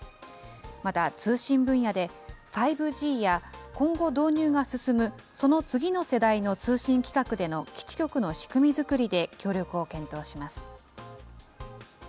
また通信分野で、５Ｇや今後導入が進むその次の世代の通信規格での基地局の仕組み作りで協力を検討します。